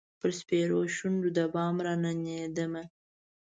پر سپیرو شونډو د بام راننېدمه